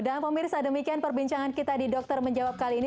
dan pemirsa demikian perbincangan kita di dokter menjawab kali ini